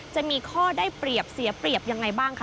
จะมีข้อได้เปรียบเสียเปรียบยังไงบ้างคะ